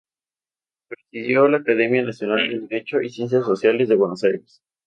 Presidió la Academia Nacional de Derecho y Ciencias Sociales de Buenos Aires.